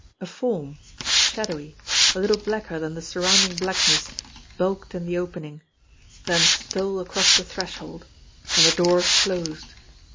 A form, shadowy, a little blacker than the surrounding black ness, bulked in the opening, then stole across the threshold, and the door closed.